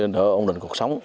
để ổn định cuộc sống